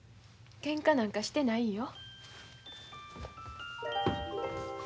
けんかなんかしてないよ。